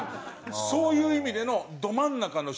そういう意味でのど真ん中の人。